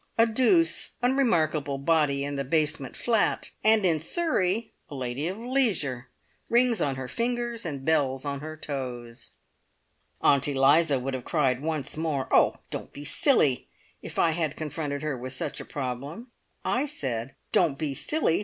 A douce, unremarkable "body" in the basement flat, and in Surrey a lady of leisure, rings on her fingers and bells on her toes! Aunt Eliza would have cried once more, "Oh, don't be silly!" if I had confronted her with such a problem. I said, "Don't be silly!"